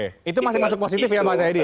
itu masih masuk positif ya pak jayaidi ya